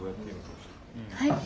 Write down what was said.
はい？